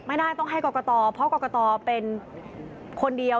ไม่ได้ต้องให้กรกตเพราะกรกตเป็นคนเดียว